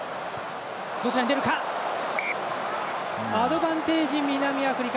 アドバンテージ南アフリカ。